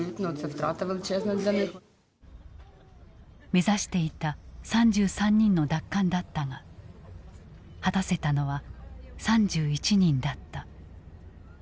目指していた３３人の奪還だったが果たせたのは３１人だった。